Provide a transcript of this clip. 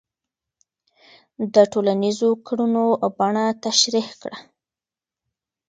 د ټولنیزو کړنو بڼه تشریح کړه.